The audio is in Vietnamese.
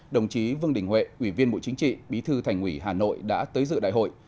đồng chí vương đình huệ ủy viên bộ chính trị bí thư thành ủy hà nội đã tới dự đại hội